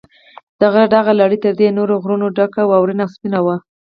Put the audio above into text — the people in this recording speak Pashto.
د غره دغه لړۍ تر دې نورو غرونو دنګه، واورینه او سپینه وه.